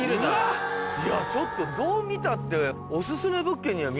いやちょっとどう見たって。